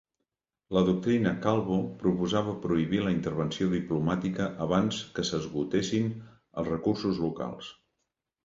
La doctrina Calvo proposava prohibir la intervenció diplomàtica abans que s'esgotessin els recursos locals.